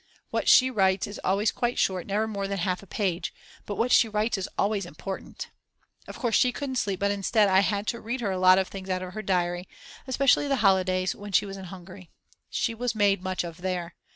What she writes is always quite short, never more than half a page, but what she writes is always important. Of course she couldn't sleep but instead I had to read her a lot of things out of her diary, especially the holidays when she was in Hungary. She was made much of there.